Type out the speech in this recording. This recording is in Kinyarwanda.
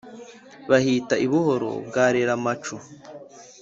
Bihita i Buhoro bwa Reramacu